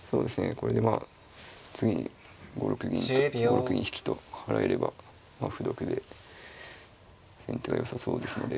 これでまあ次に５六銀引と払えれば歩得で先手がよさそうですので。